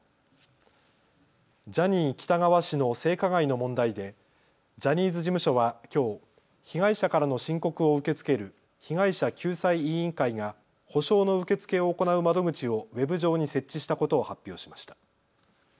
ジャニー喜多川氏の性加害の問題でジャニーズ事務所はきょう被害者からの申告を受け付ける被害者救済委員会が補償の受け付けを行う窓口をウェブ上に設置したことを発表しました。